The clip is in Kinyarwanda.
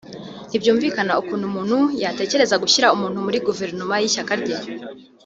ntibyumvikana ukuntu umuntu yatekereza gushyira umuntu muli iyi guverinoma y’Ishyaka rye